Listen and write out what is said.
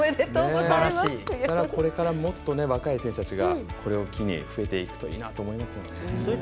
これからもっと若い選手がこれを機に増えてくるといいなと思います。